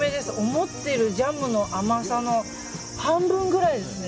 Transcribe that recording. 思ってるジャムの甘さの半分くらいですね。